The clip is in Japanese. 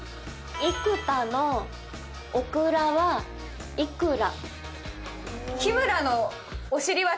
生田のオクラはいくら？